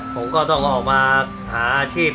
ผมก็ต้องออกมาหาอาชีพ